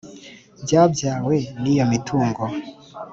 Byabyawe n ‘iyo mitungo .